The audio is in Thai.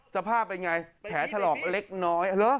สภาพเป็นไงแผลถลอกเล็กน้อย